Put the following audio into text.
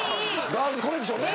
ガールズコレクションね。